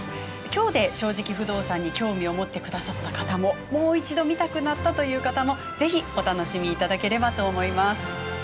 今日で「正直不動産」に興味を持ってくださった方ももう一度見たくなったという方もぜひお楽しみいただければと思います。